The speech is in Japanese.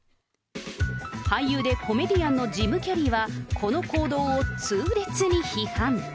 俳優でコメディアンのジム・キャリーはこの行動を痛烈に批判。